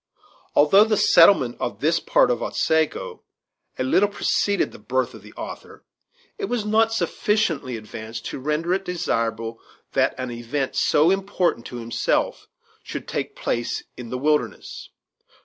Although the settlement of this part of Otsego a little preceded the birth of the author, it was not sufficiently advanced to render it desirable that an event so important to himself should take place in the wilderness.